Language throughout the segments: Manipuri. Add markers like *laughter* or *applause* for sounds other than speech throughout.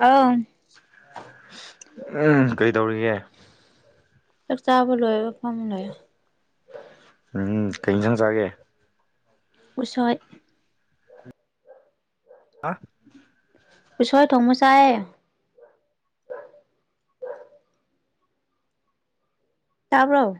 ꯑꯥꯎ ꯎꯝ ꯀꯩꯗꯧꯔꯤꯒꯦ꯫ ꯆꯥꯛ ꯆꯥꯕ ꯂꯣꯏꯣ ꯐꯝ ꯂꯣꯏꯣ ꯎꯝ ꯀꯩ ꯏꯁꯪ ꯆꯥꯒꯦ꯫ ꯎꯁꯣꯏ꯫ ꯍꯥ꯫ ꯎꯁꯣꯏ ꯊꯣꯡꯕ ꯆꯥꯏꯌꯦ꯫ ꯇꯥꯕ꯭ꯔꯣ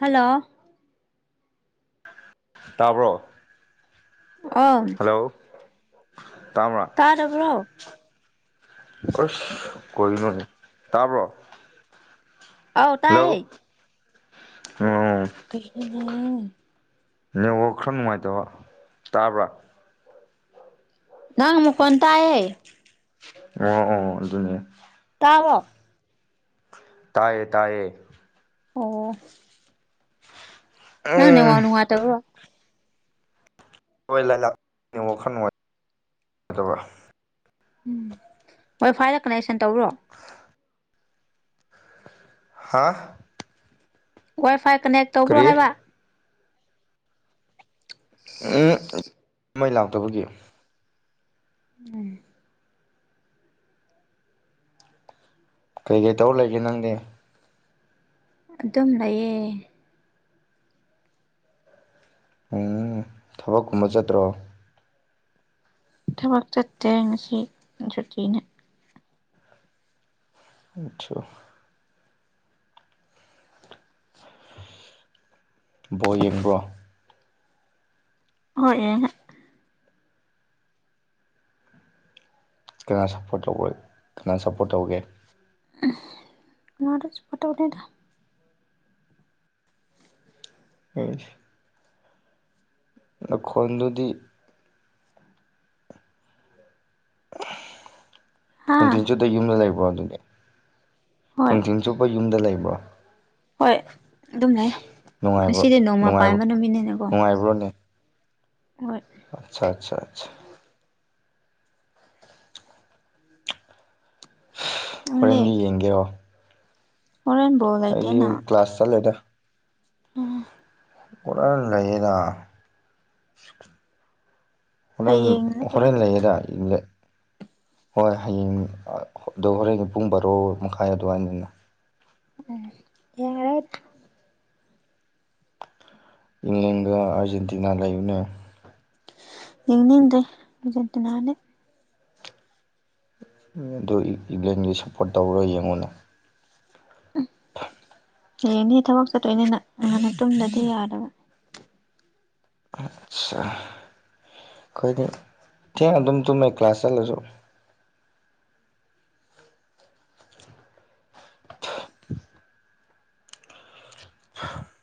ꯍꯜꯂꯣ ꯇꯥꯕ꯭ꯔꯣ꯫ ꯑꯝ꯫ ꯍꯜꯂꯣ ꯇꯥꯃ꯭ꯔꯥ ꯇꯥꯗꯕ꯭ꯔꯣ ꯑꯣ ꯀꯂꯣꯅꯤ ꯇꯥꯔꯕꯣ ꯑꯥꯎ ꯍꯜꯂꯣ ꯇꯥꯏꯌꯦ ꯎꯝ ꯀꯩꯅꯣꯅꯦ ꯅꯋ ꯈꯔ ꯅꯨꯡꯉꯥꯏꯇꯕ ꯇꯥꯕ꯭ꯔꯥ ꯅꯪ ꯃ ꯀꯣꯟ ꯇꯑ ꯑꯣ ꯑꯣ ꯑꯗꯨꯅꯦ꯫ ꯇꯥꯕꯣ ꯇꯥꯏꯌꯦ ꯇꯥꯥꯏꯌꯦ ꯑꯣ꯫ ꯅꯪꯅꯦ ꯎꯝ ꯋꯥꯅꯨꯡ ꯃꯥ ꯇꯕ꯭ꯔꯣ ꯍꯣꯏ ꯂꯥꯏꯂꯛ ꯋꯥꯈꯜ ꯅꯨꯡꯉꯥꯏꯗꯕ꯫ ꯎꯝ ꯋꯥꯏ ꯐꯥꯏꯗ ꯀꯅꯦꯛꯁꯟ ꯇꯧꯕꯔꯣ꯫ *unintelligible* ꯍꯥꯥ ꯋꯥꯏ ꯐꯥꯏ ꯀꯅꯦꯛ ꯇꯧꯕ꯭ꯔꯣ ꯀꯔꯤ ꯍꯥꯏꯕ꯫ ꯎꯝ ꯃꯩ ꯂꯥꯛꯇꯕꯒꯤ꯫ ꯎꯝ ꯀꯩꯀꯩ ꯇꯧ ꯂꯩꯒꯦ ꯅꯪꯗꯤ ꯑꯗꯨꯝ ꯂꯩꯑꯌꯦ ꯊꯕꯛꯀꯨꯝꯕ ꯆꯠꯇ꯭ꯔꯣ ꯊꯕꯛ ꯆꯠꯇꯦ ꯉꯁꯤ ꯁꯨꯇꯤꯅ ꯑꯁꯨ ꯕꯣꯜ ꯌꯦꯡꯕ꯭ꯔꯣ꯫ ꯍꯣꯏ ꯌꯦ ꯀꯅꯥ ꯁꯞꯄꯣꯔꯠ ꯇꯧ ꯀꯅꯥ ꯁꯞꯄꯣꯔꯠ ꯇꯧꯒꯦ ꯇꯤꯅꯗ ꯁꯞꯄꯣꯔꯠ ꯇꯧꯗꯦꯗ꯫ ꯑ ꯅꯈꯣꯟꯗꯨꯗꯤ꯫ ꯍꯥ ꯅꯨꯡꯊꯤꯟ ꯖꯨ ꯌꯨꯝꯗ ꯂꯩꯕ꯭ꯔꯣ ꯑꯗꯨꯗꯤ ꯍꯣꯏ ꯅꯨꯡꯊꯤꯟ ꯆꯨꯞꯄ ꯌꯨꯝꯗ ꯂꯩꯕ꯭ꯔꯣ ꯍꯣꯏ ꯑꯗꯨꯝ ꯂꯩ ꯅꯨꯡꯉꯥꯏꯕ꯭ꯔꯣ ꯉꯁꯤꯗꯤ ꯅꯣꯡꯃ ꯅꯨꯡꯉꯥꯏꯕ ꯄꯥꯟꯕ ꯅꯨꯃꯤꯠꯅꯤꯅꯀꯣ *unintelligible* ꯍꯣꯏ ꯑꯆꯥ ꯑꯆꯥ ꯑꯆꯥ *unintelligible* ꯅꯪꯗꯤ ꯍꯣꯔꯦꯟꯗꯤ ꯌꯦꯡꯒꯦꯔꯣ ꯍꯣꯔꯦꯟ ꯕꯣꯜ ꯂꯩꯇꯦꯅ ꯑꯩꯗꯤ ꯀ꯭ꯂꯥꯁ ꯆꯠꯂꯦꯗ *unintelligible* ꯀꯣꯔꯥꯟ ꯂꯩꯌꯦꯔ ꯍꯣꯔꯟ ꯍꯌꯦꯡ ꯅꯠꯇ꯭ꯔꯣ ꯍꯣꯔꯦꯟ ꯂꯩꯌꯦꯗ *unintelligible* ꯍꯣꯏ ꯍꯌꯦꯡ ꯑꯗꯣ ꯍꯣꯔꯦꯟ ꯄꯨꯡ ꯕꯥꯔꯣ ꯃꯈꯥꯏ ꯑꯗꯨꯋꯥꯏꯅꯦꯅ ꯎꯝ ꯌꯥꯔꯦ ꯏꯪꯂꯦꯟꯒ ꯑꯥꯔꯖꯦꯟꯇꯤꯅꯥ ꯂꯩꯕꯅꯦ ꯌꯦꯡꯅꯤꯡꯗꯦ ꯑꯥꯔꯖꯦꯟꯇꯤꯅꯥꯗꯤ ꯑꯗꯨ ꯏꯪꯂꯦꯟꯒꯤ ꯁꯞꯄꯣꯔꯠ ꯇꯧꯔꯣ ꯌꯦꯡꯉꯨꯅ ꯍꯌꯦꯡꯅꯦ ꯊꯕꯛ ꯆꯠꯇꯣꯏꯅꯤ ꯅ ꯉꯟꯅ ꯇꯨꯝꯗꯗꯤ ꯌꯥꯗꯕ ꯑꯠꯁ ꯑꯩꯈꯣꯏꯗꯤ ꯊꯦꯡꯅ ꯑꯗꯨꯝ ꯇꯨꯝꯃꯦ ꯀ꯭ꯂꯥꯁ ꯆꯠꯂꯁꯨ *unintelligible*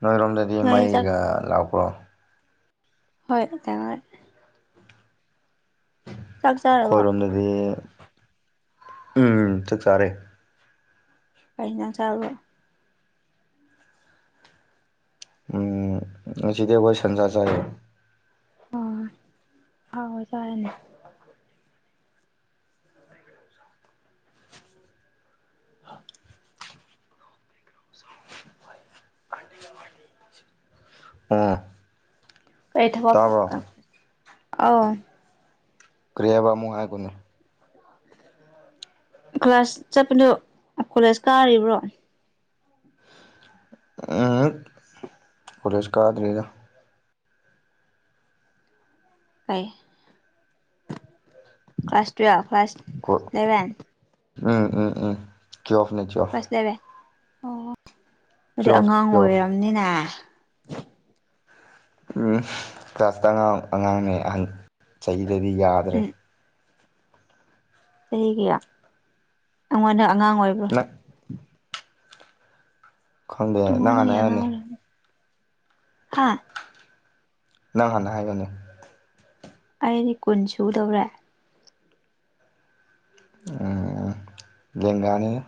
ꯅꯣꯏꯔꯣꯝꯗꯗꯤ ꯅꯣꯏ ꯆꯥꯛ ꯃꯩꯒ ꯂꯥꯛꯄ꯭ꯔꯣ ꯍꯣꯏ꯫ *unintelligible* ꯆꯥꯛ ꯆꯥꯔꯕꯣ ꯈꯣꯏꯔꯣꯝꯗꯗꯤ ꯎꯝ ꯆꯥꯛ ꯆꯥꯔꯦ ꯀꯩ ꯏꯖꯥꯡ ꯆꯥꯔꯕꯣ ꯎꯝ ꯉꯁꯤꯗꯤ ꯑꯩꯈꯣꯏ ꯁꯟꯁꯥ ꯆꯥꯏꯌꯦ ꯑꯣ ꯑꯍꯥꯎꯕ ꯆꯥꯔꯅꯦ꯫ ꯑꯥ ꯑꯩ ꯊꯕꯛ ꯑ ꯑꯧ ꯀꯔꯤꯍꯥꯏꯕ ꯑꯃꯨꯛ ꯍꯥꯏꯒꯣꯅꯦ ꯀ꯭ꯂꯥꯁ ꯆꯠꯄꯗꯨ ꯀꯣꯂꯦꯖ ꯀꯥꯔꯤꯕ꯭ꯔꯣ *unintelligible* ꯀꯣꯂꯦꯁ ꯀꯗ꯭ꯔꯤꯗ ꯀꯩ ꯀ꯭ꯂꯥꯁ ꯇꯨꯌꯦꯦꯜ ꯀ꯭ꯂꯥꯁ ꯍꯣꯏ ꯏꯂꯚꯦꯟ ꯎꯝ ꯎꯝ ꯎꯝ ꯇꯨꯋꯦꯞꯅꯦ ꯇꯨꯋꯦꯞ ꯀ꯭ꯂꯥꯁ ꯏꯂꯚꯦꯟ ꯑꯣ ꯑꯗꯨꯗꯤ ꯇꯨꯌꯦꯜꯐ ꯑꯉꯥꯡ ꯇꯨꯌꯦꯜꯐ ꯑꯣꯏꯔꯝꯅꯤꯅꯦ ꯎ ꯀ꯭ꯂꯥꯁ ꯇ ꯑꯉꯥꯡ ꯑꯉꯥꯡꯅꯦ ꯑꯍꯟ ꯆꯍꯤꯗꯗꯤ ꯌꯥꯗ꯭ꯔꯦ ꯎꯝ ꯆꯍꯤ ꯀꯌꯥ ꯑꯩꯉꯣꯟꯗ ꯑꯉꯥꯡ ꯑꯣꯏꯕ꯭ꯔꯣ ꯅꯪ ꯈꯪꯗꯦ ꯅꯪ ꯍꯥꯟꯅ ꯑꯩꯉꯣꯟꯗꯒꯤ ꯑꯉꯥꯡ ꯍꯥꯏꯌꯨꯅꯦ ꯑꯣꯏꯔꯝꯅꯤ ꯍꯥꯥ ꯅꯪ ꯍꯥꯟꯅ ꯍꯥꯏꯌꯨꯅꯦ ꯑꯩꯗꯤ ꯀꯨꯟ ꯁꯨꯗꯧꯔꯦ ꯑꯥ ꯂꯦꯡꯒꯅꯤꯅꯦ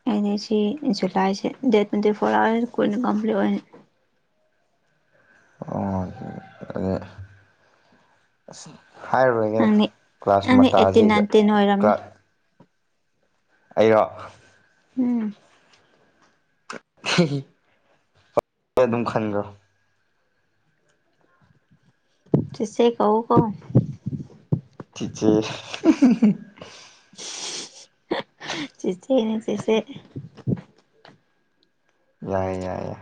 *unintelligible* *unintelligible* ꯍꯥꯏꯨꯔꯔꯣꯏꯒꯦꯗ ꯅꯪꯗꯤ ꯀ꯭ꯂꯥꯁ ꯅꯪꯗꯤ ꯑꯩꯠꯇꯤꯟ ꯃꯇꯖꯤꯒ ꯅꯥꯏꯟꯇꯤꯟ ꯑꯣꯏꯔꯝꯅꯤ ꯀ꯭ꯂꯥꯁ ꯑꯩꯔꯣ ꯎꯝ꯫ *unintelligible* ꯑꯗꯨꯝ ꯈꯟꯈ꯭ꯔꯣ ꯆꯦꯆꯦ ꯀꯧ ꯀꯣ ꯆꯤꯆꯦ *unintelligible* ꯆꯦꯆꯦꯅꯦ ꯆꯦꯆꯦ ꯌꯥꯏꯌꯦ ꯌꯥꯏꯌꯦ ꯌꯥꯏ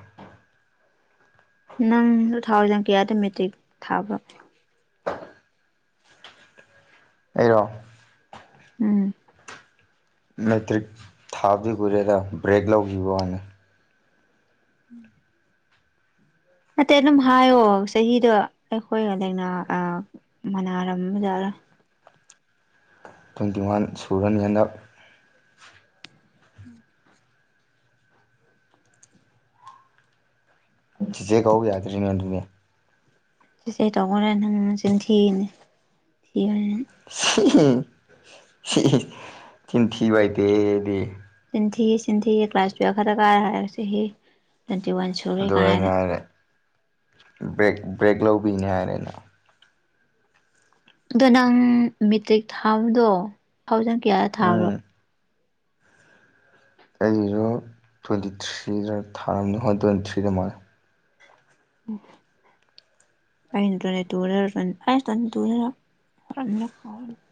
ꯅꯪ ꯇꯨ ꯊꯥꯎꯖꯟ ꯀꯌꯥꯗ ꯃꯦꯇ꯭ꯔꯤꯛ ꯊꯥꯕ꯭ꯔꯣ ꯑꯩꯔꯣ ꯎꯝ ꯃꯦꯇ꯭ꯔꯤꯛ ꯊꯥꯕꯗꯤ ꯀꯨꯏꯔꯦꯗ ꯕ꯭ꯔꯦꯛ ꯂꯧꯧꯕꯈꯤꯕ ꯋꯥꯅꯤ *unintelligible* ꯅꯠꯇꯦ ꯑꯗꯨꯝ ꯍꯥꯏꯌꯣ ꯆꯍꯤꯗꯣ ꯑꯩꯈꯣꯏꯒ ꯂꯥꯏꯅꯥ ꯃꯅꯥꯔꯝꯕ ꯖꯥꯠꯂ ꯇ꯭ꯋꯦꯟꯇꯤ ꯋꯥꯟ ꯁꯨꯔꯅꯤ ꯍꯥꯏꯅ *unintelligible* ꯆꯤꯆꯦ ꯀꯥꯎ ꯌꯥꯗ꯭ꯔꯤꯅꯦ ꯑꯗꯨꯅꯦ ꯏꯁꯦꯏ ꯇꯧꯈ꯭ꯔꯦ ꯅꯪ ꯆꯤꯟ ꯊꯤꯅꯦ ꯊꯤꯕꯅꯤ ꯆꯤꯟꯊꯤꯕꯥꯏ ꯗꯦ ꯗꯦ ꯇꯤꯟꯊꯤ ꯆꯤꯟꯊꯤ ꯀ꯭ꯂꯥꯁ ꯇꯨꯋꯜꯕ ꯈꯔ ꯀꯥꯔ ꯍꯥꯏꯔꯁꯤ ꯇ꯭ꯋꯦꯟꯇꯤ ꯋꯥꯟ ꯁꯨꯔꯦ ꯑꯗꯨ ꯀꯥꯏꯅ ꯑꯩꯅ ꯍꯥꯏꯔꯦ ꯕ꯭ꯔꯦꯛ ꯕ꯭ꯔꯦꯛ ꯂꯧꯕꯤꯅꯦ ꯍꯥꯏꯔꯦ ꯑꯩꯅ ꯑꯗꯣ ꯅꯪ ꯃꯦꯇ꯭ꯔꯤꯛ ꯊꯥꯕꯗꯣ ꯐꯥꯎꯖꯟ ꯀꯌꯥ *unintelligible* ꯀꯗꯣ ꯇ꯭ꯋꯦꯟꯇꯤ ꯊ꯭ꯔꯤꯗ ꯊꯥꯔꯝꯅꯤ ꯍꯣꯏ ꯇ꯭ꯋꯦꯟꯇꯤ ꯊ꯭ꯔꯤꯗ ꯃꯥꯜꯂꯦ *unintelligible* *unintelligible*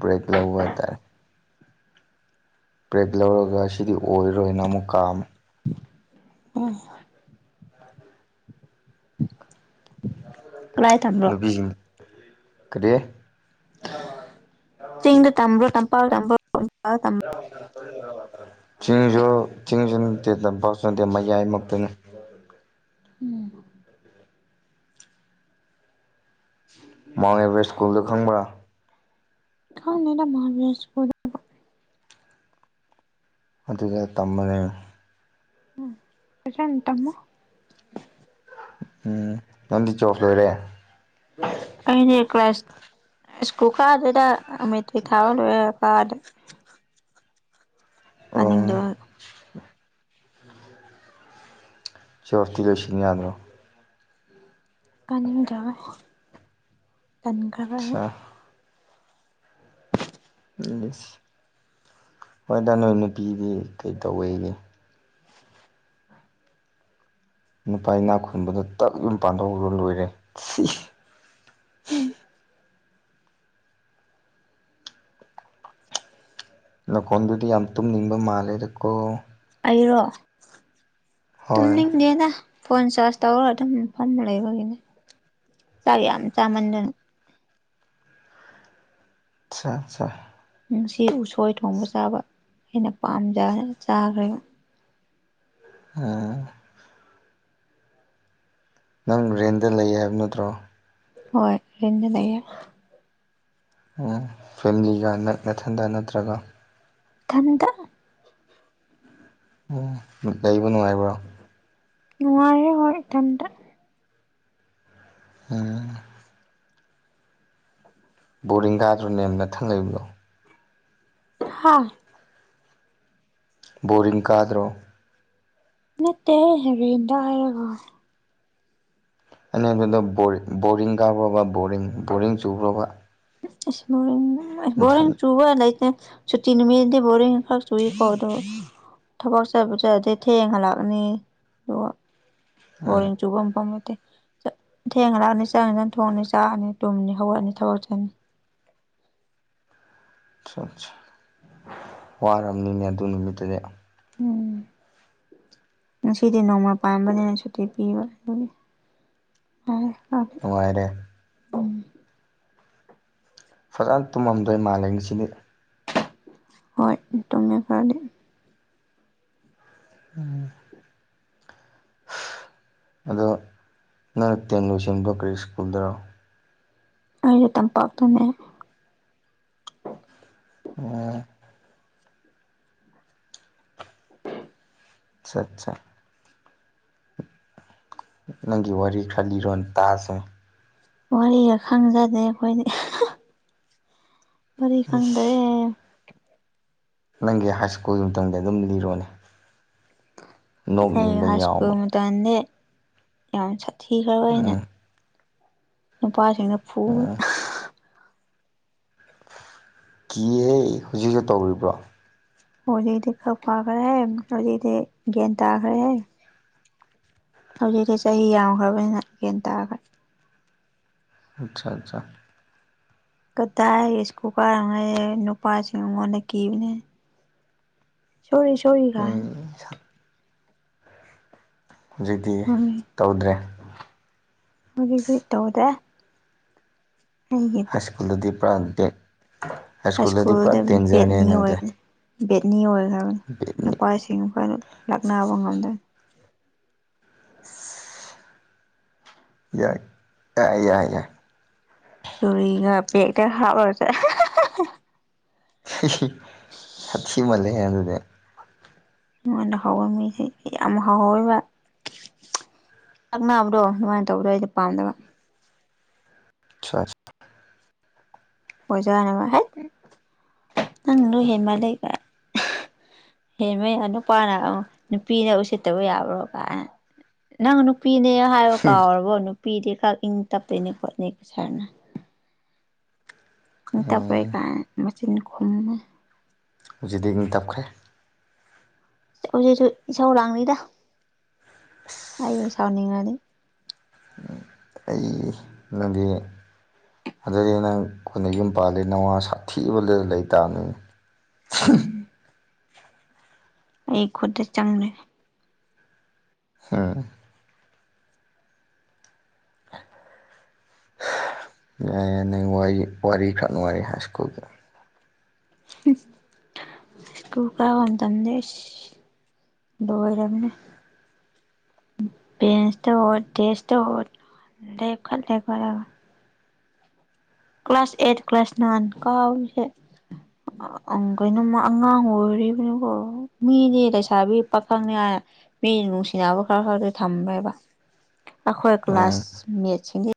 ꯕ꯭ꯔꯦꯛ ꯂꯧꯕ ꯍꯥꯏꯇꯥꯔꯦ ꯕꯦꯔꯛ ꯂꯧꯔꯒ ꯁꯤꯗꯤ ꯑꯣꯏꯔꯣꯏꯅ ꯑꯃꯨꯛ ꯀꯥꯝꯃꯦ *unintelligible* ꯀꯗꯥꯏ ꯇꯝꯕ꯭ꯔꯣ ꯅꯨꯄꯤꯁꯤꯡ ꯀꯔꯤ ꯆꯤꯡꯗ ꯇꯝꯕ꯭ꯔꯣ ꯇꯝꯄꯥꯛ ꯇꯝꯕ꯭ꯔꯣ ꯆꯤꯡꯁꯨ ꯆꯤꯡꯁꯨ ꯅꯠꯇꯦ ꯇꯝꯄꯥꯛꯁꯨ ꯅꯠꯇꯦ ꯃꯌꯥꯏꯃꯛꯇꯅꯦ *unintelligible* ꯃꯥꯎꯟ ꯑꯦꯕꯔꯁ ꯁꯀꯨꯜꯗ ꯈꯪꯕꯥ ꯈꯅꯦ ꯃꯍꯕꯁꯄꯨꯔ *unintelligible* ꯑꯗꯨꯗ ꯇꯝꯃꯒꯦ ꯎꯝ ꯄꯁ ꯇꯃ ꯎꯝ ꯅꯗꯤ ꯆꯣꯄ ꯂꯣꯏꯔꯦ ꯑꯗꯤ ꯀ꯭ꯂ ꯁꯀꯨꯀꯥꯗꯨꯗ ꯑ ꯃꯦꯇꯤꯊꯥ ꯂꯣꯏꯔ ꯀꯥꯗꯔꯦ ꯑꯣ ꯀꯅꯤꯡꯗꯣ *unintelligible* ꯁꯤꯌꯣꯔꯁꯇꯤ ꯂꯣꯏꯁꯤꯟ ꯌꯥꯗ꯭ꯔꯣ ꯀꯥꯅꯤꯡꯗꯔꯕ ꯇꯟꯈ꯭ꯔꯕ ꯑꯠꯁꯥ ꯌꯦꯁ ꯍꯣꯏꯗ ꯅꯣꯏ ꯅꯨꯄꯤꯗꯤ ꯀꯩ ꯇꯧꯋꯦꯒꯦ ꯅꯨꯄꯥ ꯏꯅꯥ ꯈꯨꯟꯕꯗ ꯇꯛ ꯌꯨꯝ ꯄꯥꯟꯊꯣꯛꯔ ꯂꯣꯏꯔꯦ ꯁꯤ *unintelligible* ꯅꯀꯣꯟꯗꯨꯗꯤ ꯌꯥꯝ ꯇꯨꯝꯅꯤꯡꯕ ꯃꯥꯜꯂꯦꯗꯀꯣ ꯑꯩꯔꯣ ꯍꯣꯏ ꯇꯨꯝꯅꯤꯡꯅꯦꯗ ꯐꯣꯟ ꯆꯥꯔꯖ ꯇꯧꯔꯒ ꯑꯗꯨꯝꯐꯝ ꯂꯩꯔꯒꯤꯅꯦ ꯆꯥꯛ ꯌꯥꯝ ꯆꯥꯃꯟꯗꯅ ꯑꯆꯥ ꯑꯆꯥ ꯁꯤ ꯎꯁꯣꯏ ꯊꯣꯡꯕ ꯆꯥꯕ ꯑꯩꯅ ꯄꯥꯝꯖ ꯆꯥꯈ꯭ꯔꯦꯕ *unintelligible* ꯅꯪ ꯔꯦꯟꯗ ꯂꯩꯌꯦ ꯍꯥꯏꯕ ꯅꯠꯇ꯭ꯔꯣ ꯍꯣꯏ ꯑꯗꯨꯗꯤ ꯂꯩ ꯐꯦꯃꯤꯂꯤꯒ ꯅ ꯃꯊꯟꯗ ꯅꯠꯇ꯭ꯔꯒ ꯊꯟꯗ ꯑꯣ ꯂꯩ ꯅꯨꯡꯉꯥꯏꯔꯤꯕ꯭ꯔꯣ ꯅꯨꯡꯉꯥꯏꯌꯦ ꯍꯣꯏ ꯏꯊꯟꯇ ꯎꯝ *unintelligible* ꯕꯣꯔꯤꯡ ꯀꯥꯗ꯭ꯔꯣꯅꯦ ꯅꯊꯪ ꯂꯩꯕꯗꯣ ꯍ ꯕꯣꯔꯤꯡ ꯀꯥꯗ꯭ꯔꯣ꯫ ꯅꯠꯇ ꯍꯦ ꯔꯤꯗ ꯍꯥꯏꯔꯒꯣ ꯑꯩꯅꯕꯗ ꯕꯣꯔꯤꯡ ꯀꯥꯎꯈ꯭ꯔꯕ ꯕꯣꯔꯤꯡ ꯕꯣꯔꯤꯡ ꯆꯨꯈ꯭ꯔꯕ ꯑꯁ ꯕꯣꯔꯤ ꯂ ꯕꯣꯔꯤꯡ ꯆꯨꯔꯒ ꯂꯩꯇꯦ ꯆꯨꯇꯤꯟ ꯅꯨꯃꯤꯗꯤ ꯕꯣꯔꯡ ꯈ ꯆꯨꯏꯌꯦ ꯀꯣꯗꯣ ꯊꯕꯛ ꯆꯠꯕꯨ ꯆꯠꯂꯥꯗꯤ ꯊꯦꯡꯍꯜꯂꯛꯑꯅꯤ ꯑꯗꯨꯒ ꯑꯥ ꯕꯣꯔꯤꯛꯆꯨꯕꯝ ꯄꯝꯂꯩꯇꯦ ꯊꯦꯡꯉ ꯂꯥꯛꯑꯅꯤ ꯆꯪꯛ ꯏꯟꯖꯥꯛ ꯊꯣꯡꯅꯤ ꯆꯥꯛꯑꯅꯤ ꯇꯨꯝꯅꯤ ꯍꯧꯒꯠꯅꯤ ꯊꯕꯛ ꯆꯅꯤ ꯋꯥꯝꯅꯤꯅꯦ ꯑꯗꯨ ꯅꯨꯃꯤꯠꯇꯗꯤ ꯎꯝ ꯉꯁꯤꯗꯤ ꯅꯣꯡꯃ ꯄꯥꯟꯕꯝꯕꯅꯤꯅ ꯁꯨꯇꯤ ꯄꯤꯕ ꯑꯗꯨꯒꯤ ꯌꯥꯔꯦ ꯅꯪꯡꯉꯥꯏꯔꯦ ꯑꯝ ꯐꯖꯅ ꯇꯨꯝꯃꯝꯗꯣꯏ ꯃꯥꯜꯂꯦꯁꯤꯗꯤ ꯍꯣꯏ ꯇꯨꯝꯃꯦ ꯐꯔꯗꯤ ꯎꯝ ꯑꯗꯣ ꯅꯪꯅ ꯇꯦꯟ ꯂꯣꯏꯁꯤꯟꯗꯣ ꯀꯔꯤ ꯁ꯭ꯀꯨꯜꯗꯔꯣ ꯑꯩꯗꯤ ꯇꯝꯄꯥꯛꯇꯅꯦ *unintelligible* *inaudible* ꯑꯆꯥꯠꯆꯥ ꯅꯪꯒꯤ ꯋꯥꯔꯤ ꯈꯔ ꯂꯤꯔꯣ ꯇꯥꯥꯁ ꯋꯥꯔꯤꯒ ꯈꯪꯖꯗꯦ ꯑꯩꯈꯣꯏꯗꯤ ꯋꯥꯔꯤ ꯈꯪꯗ꯭ꯔꯦ ꯏꯁ ꯅꯪꯒꯤ ꯍꯥꯏ ꯁ꯭ꯀꯨꯜ ꯑꯃꯇꯝꯗꯩꯩ ꯑꯗꯨꯝ ꯂꯤꯔꯣꯅꯦ꯫ ꯑꯩ ꯅꯣꯛꯅꯤꯡꯕ ꯍꯥꯏ ꯁ꯭ꯀꯨꯜ ꯌꯥꯎꯕ ꯃꯥꯟꯗꯤ ꯌꯥꯝ ꯁꯥꯊꯤꯈ꯭ꯔꯕ ꯑꯩꯅ ꯎꯝ ꯅꯨꯄꯥꯁꯤꯡꯅ ꯐꯨꯕ ꯀꯤꯍꯦ ꯍꯧꯖꯤꯛ ꯍꯧꯁꯨꯛ ꯇꯧꯔꯤꯕ꯭ꯔꯣ ꯍꯧꯖꯤꯛꯇꯤ ꯈꯛ ꯐꯥꯈ꯭ꯔꯦ ꯍꯧꯖꯤꯛꯇꯛꯇꯤ ꯒ꯭ꯌꯥꯟ ꯇꯥꯈ꯭ꯔꯦꯍꯦ ꯍꯧꯖꯤꯛꯤ ꯆꯍꯤ ꯌꯥꯝꯈ꯭ꯔꯕꯅꯤꯅ ꯦꯟ ꯇꯥꯑꯒꯅꯤ ꯑꯆꯥ ꯑꯆꯥ ꯀꯗꯥꯏ ꯏꯁ ꯀꯨꯀꯥꯔ ꯍꯛꯑꯦ ꯅꯨꯄꯥꯁꯤꯡ ꯑꯩꯉꯣꯟꯗ ꯀꯤꯕꯅꯦ ꯁꯣꯔꯤ ꯁꯣꯔꯤꯒ ꯎꯝ ꯍꯧꯖꯤꯛꯇꯤ ꯎꯝ ꯇꯧꯗ꯭ꯔꯦ ꯑꯗꯨꯗꯤ ꯇꯧꯗꯦ ꯑꯩꯒꯤ ꯍꯥꯏ ꯁ꯭ꯀꯨꯜꯗꯗꯤ ꯄꯨꯔꯥ ꯗꯦ ꯍꯥꯏ ꯁ꯭ꯀꯨꯜꯗꯗꯤ ꯄꯨꯔꯥ ꯁ꯭ꯀꯨꯜꯗ ꯗꯦꯟꯖꯔꯅꯦ ꯕꯦꯠꯅꯤ ꯅꯪꯗꯦ ꯑꯣꯏꯕꯅꯤ ꯕꯦꯠꯅꯤ ꯑꯣꯏꯒꯔꯕꯅꯤ *unintelligible* ꯅꯨꯄꯥꯋꯥꯁꯤꯡ ꯐꯣꯏꯅ ꯂꯥꯛꯅꯕ ꯉꯝꯗꯅ ꯌꯥꯏ ꯌꯥꯏ ꯌꯥꯏ ꯌꯥꯏ ꯆꯨꯔꯤꯒ ꯕꯦꯛꯇ ꯍꯥꯞꯂꯨꯔꯁꯦ ꯁꯥꯊꯤꯃꯜꯂꯦ ꯍꯦ ꯑꯗꯨꯗꯤ ꯃꯉꯣꯟꯗ ꯍꯥꯎꯋ ꯃꯤꯁꯦ ꯌꯥꯝ ꯍꯥꯎꯋꯦꯕ ꯆꯥꯛꯕ꯭ꯔꯣ ꯑꯗꯨꯃꯥꯏꯅ ꯇꯧꯕ꯭ꯔꯣ ꯑꯩꯁ ꯄꯥꯝꯗꯕ ꯑ ꯑꯣꯖꯅꯒ ꯍꯦꯠ ꯅꯪꯒꯤꯗꯣ ꯍꯦꯜꯃꯟꯂꯦ ꯒꯥꯏ ꯍꯦ ꯃꯩꯌꯥ ꯅꯨꯄꯥꯅ ꯅꯨꯄꯤꯅ ꯎꯁꯤꯠꯇꯕ ꯌꯥꯕ꯭ꯔꯣ ꯀꯥꯏꯅ ꯅꯪ ꯅꯨꯄꯤꯅꯦ ꯍꯥꯏꯌꯣ ꯀꯥꯎꯔꯕꯣ ꯅꯨꯄꯤꯗꯤ ꯈꯛ ꯏꯪ ꯇꯞꯇꯣꯏꯅꯦ ꯈꯣꯠꯅꯤ ꯁꯥꯔꯅ ꯇꯛ ꯀꯥꯏ ꯃꯆꯤꯟ ꯈꯨꯝꯅ ꯍꯧꯖꯤꯛꯇꯗꯤ ꯏꯪ ꯇꯞꯈ꯭ꯔꯦ ꯍꯧꯖꯤꯛꯁꯨ ꯏꯁꯥꯎ ꯂꯥꯡꯅꯤꯗ ꯑꯩ ꯁꯥꯎꯅꯤꯡꯉꯅꯤ ꯑꯩ ꯅꯪꯒꯤ ꯑꯗꯨꯗꯗꯤ ꯅꯪ ꯑꯩꯈꯣꯏꯅ ꯌꯨꯝ ꯄꯥꯜꯂꯤ ꯅꯋꯥ ꯁꯥꯊꯤꯕ ꯂꯩꯇꯥꯥꯕꯅꯤ ꯎꯝ ꯑꯩ ꯈꯨꯠꯇ ꯆꯪꯛꯂꯦ ꯍꯥꯥ ꯌ ꯅꯩ ꯋꯥꯔꯤ ꯋꯥꯔꯤ ꯈꯔ ꯅꯨꯡꯉꯥꯏꯔꯤ ꯍꯥꯏ ꯁ꯭ꯀꯨꯜꯗ ꯀꯨ ꯀꯥ ꯋꯥ ꯇꯗꯦ ꯂꯣꯏꯔꯕꯅꯦ ꯕꯦꯟꯁꯇ ꯍꯣꯠ ꯗꯦꯁ ꯇ ꯍꯣꯠ ꯂꯩ ꯈꯠ ꯂꯩ ꯈꯠꯂꯒ ꯀ꯭ꯂꯥꯁ ꯑꯦꯠ ꯀ꯭ꯂꯥꯁ ꯅꯥꯏꯟ ꯀꯥꯁ *unintelligible* ꯀꯩꯅꯣꯃ ꯑꯉꯥꯡ ꯑꯣꯏꯔꯤꯕꯅꯤꯀꯣ ꯃꯤꯗꯤ ꯂꯩꯁꯥꯕꯤ ꯄꯥꯈꯪꯅꯤ ꯍꯥꯏ ꯃꯤ ꯅꯨꯡꯁꯤꯅꯕ ꯈꯔ ꯈꯔꯗꯤ ꯊꯝꯃꯦꯣꯏꯕ ꯑꯩꯈꯣꯏ ꯎꯝ ꯀ꯭ꯂꯥꯁ ꯃꯦꯠꯁꯤꯡꯁꯦ